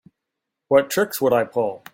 What tricks would I pull?